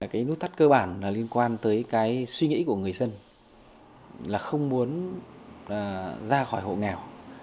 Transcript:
cái nút thắt cơ bản là liên quan tới cái suy nghĩ của người dân là không muốn ra khỏi hộ nghèo